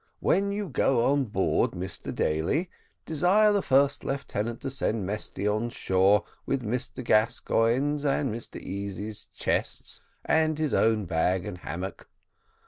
When you go on board, Mr Daly, desire the first lieutenant to send Mesty on shore with Mr Gascoigne's and Mr Easy's chests, and his own bag and hammock.